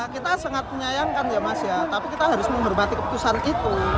kita sangat menyayangkan ya mas ya tapi kita harus menghormati keputusan itu